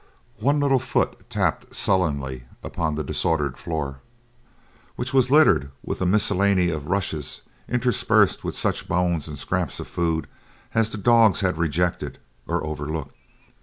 One little foot tapped sullenly upon the disordered floor which was littered with a miscellany of rushes interspread with such bones and scraps of food as the dogs had rejected or overlooked.